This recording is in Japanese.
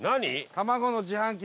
卵の自販機。